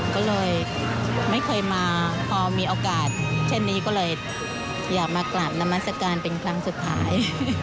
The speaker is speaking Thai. ก็เลยไม่เคยมาพอมีโอกาสเช่นนี้ก็เลยอยากมากราบนามัศกาลเป็นครั้งสุดท้าย